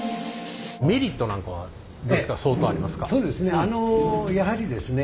メリットなんかは相当ありますか？